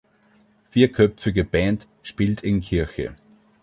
Vierköpfige Band spielt in Kirche.